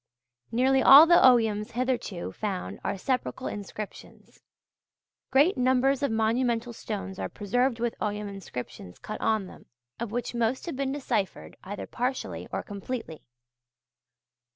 Nearly all the Oghams hitherto found are sepulchral inscriptions. Great numbers of monumental stones are preserved with Ogham inscriptions cut on them, of which most have been deciphered, either partially or completely.